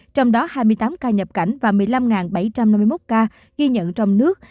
trong đó hai mươi tám ca nhập cảnh và một mươi năm bảy trăm năm mươi một ca ghi nhận trong nước